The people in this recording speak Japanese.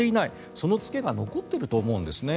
その付けが残っていると思うんですね。